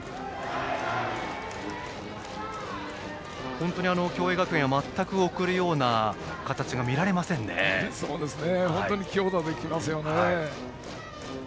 本当に共栄学園は全く送るような形が本当に強打できますね。